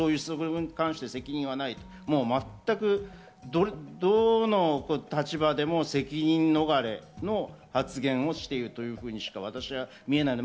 責任はないとどの立場でも責任逃れの発言をしているというふうにしか私は見えないと。